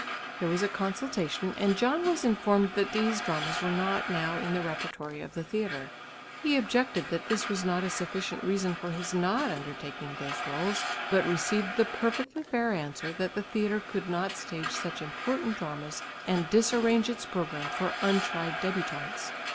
There was a consultation, and John was informed that these dramas were not now in the repertory of the theatre. He objected that this was not a sufficient reason for his not undertaking those rôles, but received the perfectly fair answer, that the theatre could not stage such important dramas and disarrange its programme for untried débutants.